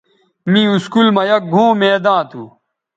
می اسکول مہ یک گھؤں میداں تھو